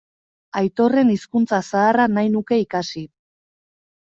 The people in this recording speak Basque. Aitorren hizkuntza zaharra nahi nuke ikasi.